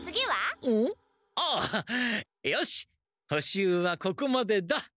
ああよし補習はここまでだ。